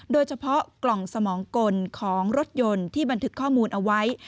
โดยเฉพาะกล่องสมองกลของรถยนต์ที่บันทึกข้อมูลเอาไว้